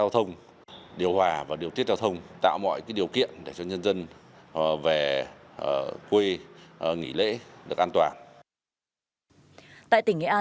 tại tỉnh nghệ an